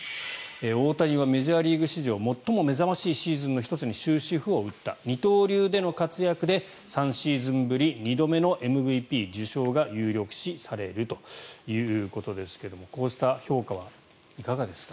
大谷はメジャーリーグ史上最も目覚ましいシーズンの１つに終止符を打った二刀流での活躍で３シーズンぶり２度目のＭＶＰ受賞が有力視されるということですがこうした評価はいかがですか？